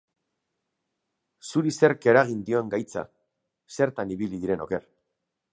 Zuri zerk eragin dion gaitza, zertan ibili diren oker.